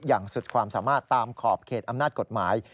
อย่างสุดความสามารถตามขอบเขตอำนาจกฎหมาย